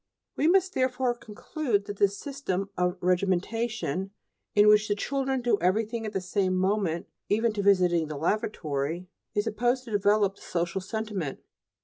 We must therefore conclude that this system of regimentation in which the children do everything at the same moment, even to visiting the lavatory, is supposed to develop the social sentiment.